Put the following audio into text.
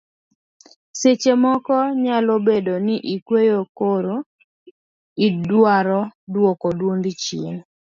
seche moko nyalo bedo ni ikwe koro idwaro duoko duondi chien